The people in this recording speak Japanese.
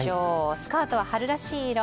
スカートは春らしい色。